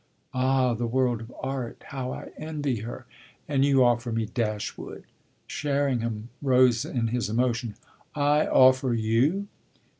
"Ah the world of art how I envy her! And you offer me Dashwood!" Sherringham rose in his emotion. "I 'offer' you